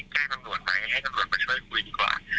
แจ้งตำรวจไหมให้ตำรวจมาช่วยคุยดีกว่า